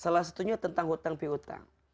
salah satunya tentang hutang pihutang